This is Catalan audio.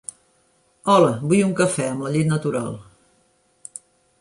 Hola, vull un cafè, amb la llet natural.